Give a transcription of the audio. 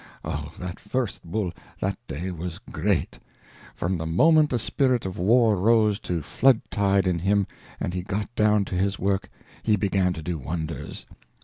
"Oh, that first bull, that day, was great! From the moment the spirit of war rose to flood tide in him and he got down to his work, he began to do wonders.